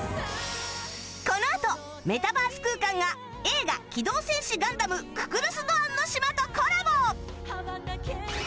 このあとメタバース空間が映画『機動戦士ガンダムククルス・ドアンの島』とコラボ